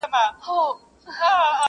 ځکه پاته جاویدانه افسانه سوم,